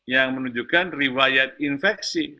yang menunjukkan rewired infeksi